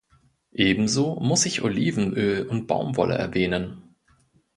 Ebenso muss ich Olivenöl und Baumwolle erwähnen.